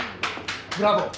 ブラボー！